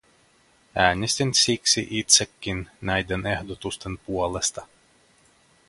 Äänestin siksi itsekin näiden ehdotusten puolesta.